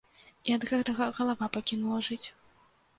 І ад гэтага галава пакінула жыць.